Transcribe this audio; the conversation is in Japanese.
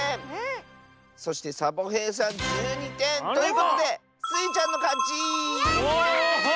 そしてサボへいさん１２てん。ということでスイちゃんのかち！やった！